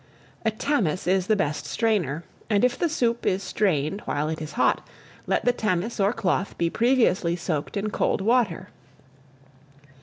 A tamis is the best strainer, and if the soup is strained while it is hot, let the tamis or cloth be previously soaked in cold water.